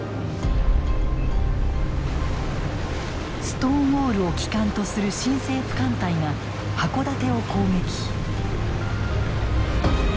ストーンウォールを旗艦とする新政府艦隊が箱館を攻撃。